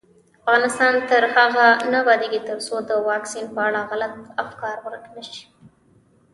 افغانستان تر هغو نه ابادیږي، ترڅو د واکسین په اړه غلط افکار ورک نشي.